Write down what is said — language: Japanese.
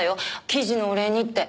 記事のお礼にって。